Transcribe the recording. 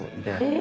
え！